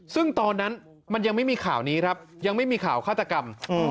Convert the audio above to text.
ซึ่งตอนนั้นมันยังไม่มีข่าวนี้ครับยังไม่มีข่าวฆาตกรรม